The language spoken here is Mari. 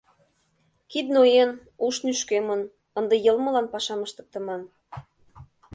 Кид ноен, уш нӱшкемын, ынде йылмылан пашам ыштыктыман.